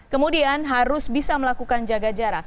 kemudian harus bisa melakukan jaga jarak